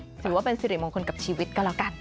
ถือว่าเป็นสิริมงคลกับชีวิตก็แล้วกัน